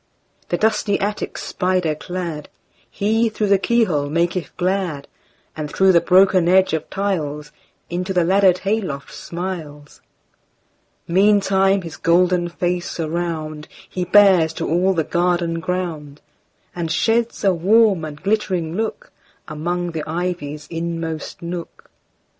The dusty attic spider cladHe, through the keyhole, maketh glad; And through the broken edge of tiles, Into the laddered hay loft smiles. Meantime his golden face aroundHe bears to all the garden ground, And sheds a warm and glittering lookAmong the ivy's inmost nook.